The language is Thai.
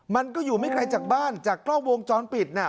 มันก็อยู่ไม่ไกลจากบ้านจากกล้องวงจรปิดน่ะ